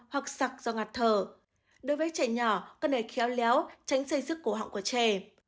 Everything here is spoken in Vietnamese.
hoặc sặc do ngạt thở đối với trẻ nhỏ cần hãy khéo léo tránh xây dứt cổ họng của trẻ